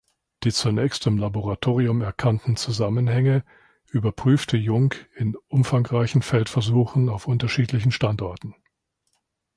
Die zunächst im Laboratorium erkannten Zusammenhänge überprüfte Jungk in umfangreichen Feldversuchen auf unterschiedlichen Standorten.